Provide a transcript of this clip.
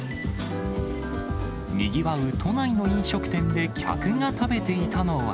にぎわう都内の飲食店で客が食べていたのは。